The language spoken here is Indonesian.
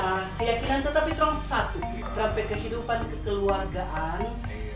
keyakinan tetapi terang satu terampil kehidupan kekeluargaan